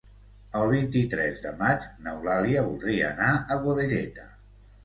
El vint-i-tres de maig n'Eulàlia voldria anar a Godelleta.